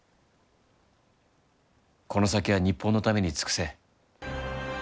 この先は日本のために尽くせ。